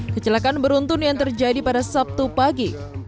kecelakaan beruntun yang terjadi pada sabtu pagi